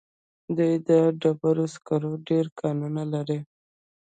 دوی د ډبرو سکرو ډېر کانونه لري.